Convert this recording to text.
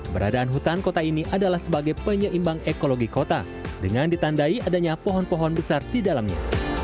beradaan hutan kota ini adalah sebagai penyeimbang ekologi kota dengan ditandai adanya pohon pohon besar di dalamnya